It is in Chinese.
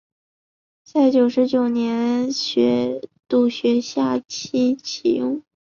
在九十九学年度下学期启用。